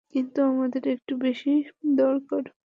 কিন্তু আমাদের একটু বেশি দরকার।